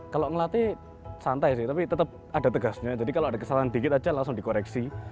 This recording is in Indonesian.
kalau ngelatih santai sih tapi tetap ada tegasnya jadi kalau ada kesalahan dikit aja langsung dikoreksi